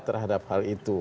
terhadap hal itu